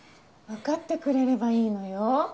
分かってくれればいいのよ。